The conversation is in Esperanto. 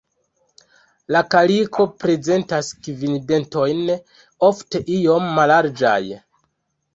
La kaliko prezentas kvin dentojn, ofte iom mallarĝaj.